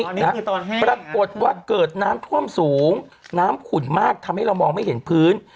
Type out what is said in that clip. ตอนนี้คือตอนแห้งปรรับปวดวันเกิดน้ำท่วมสูงน้ำขุ่นมากทำให้เรามองไม่เห็นพื้น